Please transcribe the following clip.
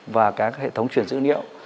và các hệ thống chuyển dữ liệu